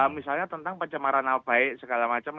misalnya tentang pajamaran albaik segala macam